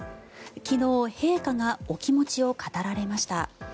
昨日、陛下がお気持ちを語られました。